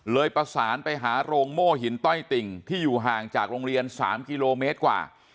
ประสานไปหาโรงโม่หินต้อยติ่งที่อยู่ห่างจากโรงเรียน๓กิโลเมตรกว่า